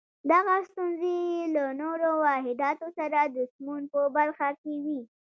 دغه ستونزې یې له نورو واحداتو سره د سمون په برخه کې وې.